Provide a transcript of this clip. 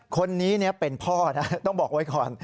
คนนี้เป็นพ่อนะต้องบอกไว้ก่อน